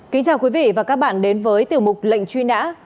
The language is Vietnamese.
kính chào quý vị và các bạn đến với tiểu mục lệnh truy nã